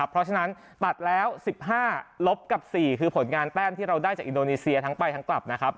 เพราะฉะนั้นตัดแล้ว๑๕ลบกับ๔คือผลงานแต้มที่เราได้จากอินโดนีเซียทั้งไปทั้งกลับนะครับ